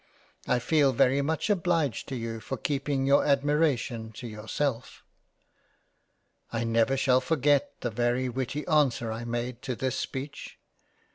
I feel very much obliged to you for keeping your admiration to yourself." I never shall forget the very witty .answer I made to this speech.